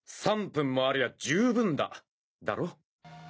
３分もありゃ十分だだろ？